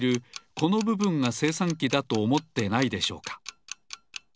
このぶぶんがせいさんきだとおもってないでしょうか？